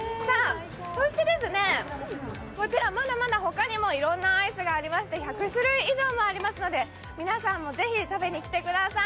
そして、まだまだ他にもいろんなアイスがありまして１００種類以上もありますので、皆さんもぜひ食べにきてください。